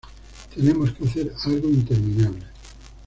Tenemos que hacer algo interminable".